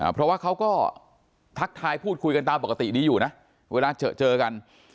เพราะว่าเขาก็ทักทายพูดคุยกันตามปกติดีอยู่นะเวลาเจอกัน